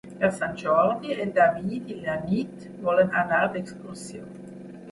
Per Sant Jordi en David i na Nit volen anar d'excursió.